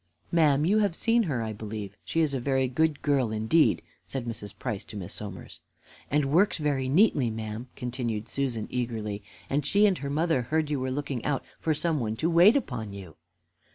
"Ma'am, you have seen her, I believe; she is a very good girl indeed," said Mrs. Price to Miss Somers. "And works very neatly, ma'am," continued Susan eagerly, "and she and her mother heard you were looking out for some one to wait upon you."